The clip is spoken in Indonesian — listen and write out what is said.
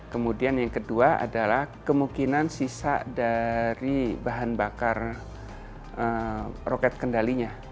kemudian yang kedua adalah kemungkinan sisa dari bahan bakar roket kendalinya